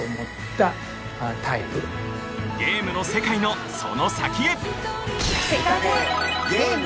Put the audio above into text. ゲームの世界のその先へ！